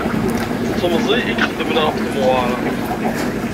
D temẓi i ixeddmen ɣef temɣer.